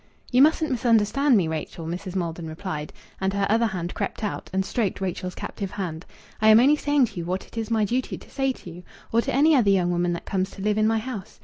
"You mustn't misunderstand me, Rachel," Mrs. Maldon replied, and her other hand crept out, and stroked Rachel's captive hand. "I am only saying to you what it is my duty to say to you or to any other young woman that comes to live in my house.